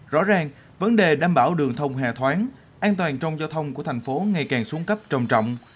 rõ ràng vấn đề đảm bảo đường thông hề thoáng an toàn trong giao thông của thành phố ngày càng xuống cấp trầm trọng